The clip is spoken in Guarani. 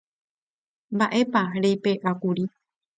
Mba'épa reipe'ákuri.